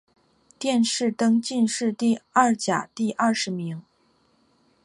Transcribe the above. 殿试登进士第二甲第二十名。